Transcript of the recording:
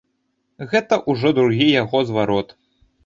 Гэта ўжо другі яго зварот.